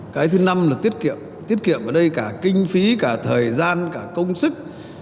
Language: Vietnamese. cái thứ năm là tiết kiệm tiết kiệm ở đây cả kinh phí cả thời gian cả công sức